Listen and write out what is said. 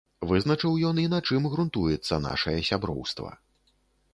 Вызначыў ён, і на чым грунтуецца нашае сяброўства.